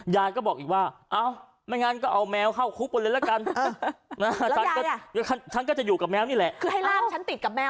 ยายก็บอกอีกว่าเอาไม่งั้นก็เอาแมวเข้าคุกบนเลยละกัน